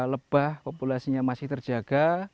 lebah populasinya masih terjaga